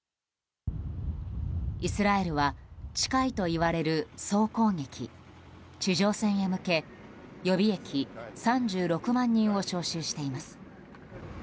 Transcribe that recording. イスラエルは近いといわれる総攻撃地上戦へ向け、予備役３６万人を招集しています。